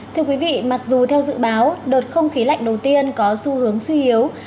thưa quý vị mặc dù theo dự báo đợt không khí lạnh đầu tiên có xu hướng suy yếu